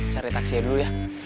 cari taksi dulu ya